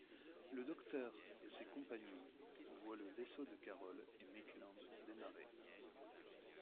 Le Docteur et ses compagnons voient le vaisseau de Carol et Maitland démarrer.